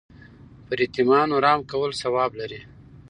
پر یتیمانو رحم کول ثواب لري.